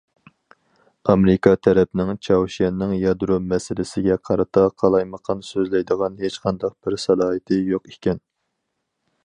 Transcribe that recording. ئامېرىكا تەرەپنىڭ چاۋشيەننىڭ يادرو مەسىلىسىگە قارىتا قالايمىقان سۆزلەيدىغان ھېچقانداق بىر سالاھىيىتى يوق ئىكەن.